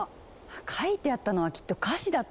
書いてあったのはきっと歌詞だったんだわ！